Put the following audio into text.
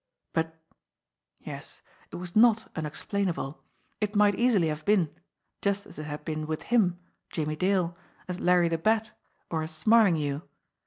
But yes, it was not un explainable. It might easily have been just as it had been with him, Jimmie Dale, as Larry the Bat, or as Smarlinghue.